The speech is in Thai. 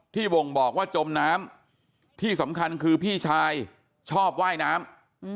บ่งบอกว่าจมน้ำที่สำคัญคือพี่ชายชอบว่ายน้ำ